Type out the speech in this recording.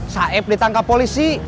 saib ditangkap polisi